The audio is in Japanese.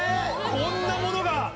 こんなものが！